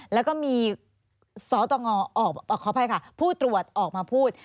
แล้วก็มีพตรวจออกมาพูด